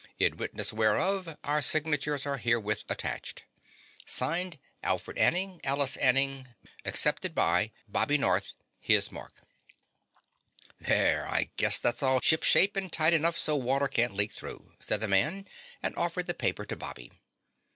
In witness whereof our signatures are herewith attached. Signed: Alfred Anning Alice Anning. Bobby North Accepted by His =X= Mark." "There, I guess that's all ship shape and tight enough so water can't leak through," said the man and offered the paper to Bobby.